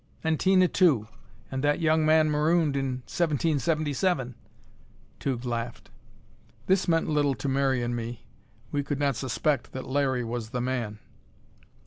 "And Tina, too, and that young man marooned in 1777!" Tugh laughed. This meant little to Mary and me; we could not suspect that Larry was the man.